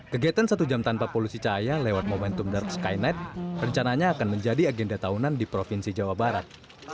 kegiatan satu jam tanpa polusi cahaya lewat momentum dark sky night rencananya akan menjadi agenda tahunan di provinsi jawa barat